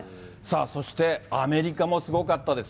そしてアメリカもすごかったです。